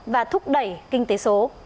và thúc đẩy kinh tế số